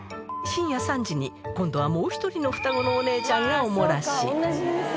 深夜３時に、今度はもう一人の双子のお姉ちゃんがお漏らし。